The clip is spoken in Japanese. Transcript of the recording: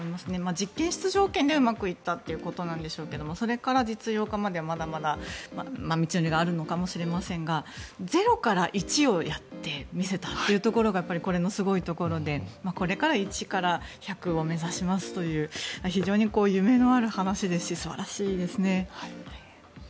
実験室条件でうまくいったということなんでしょうけどそれから実用化までまだまだ道のりがあるのかもしれませんが０から１をやってみせたというところがやっぱりこれのすごいところでこれから１から１００を目指しますという非常に夢のある話ですし素晴らしいですね。